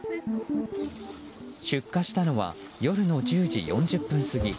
出火したのは夜の１０時４０分過ぎ。